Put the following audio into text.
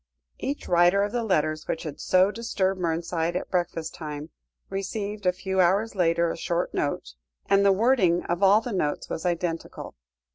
Each writer of the letters which had so disturbed Mernside at breakfast time, received a few hours later a short note, and the wording of all the notes was identical.